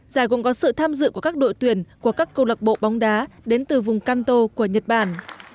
giải cũng có sự tham dự của các đội tuyển của các câu lạc bộ bóng đá đến từ vùng canto của nhật bản